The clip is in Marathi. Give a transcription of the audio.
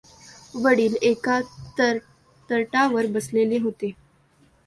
वडील एका तरटावर बसलेले होते.